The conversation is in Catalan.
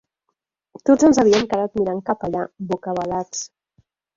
Tots ens havíem quedat mirant cap allà, bocabadats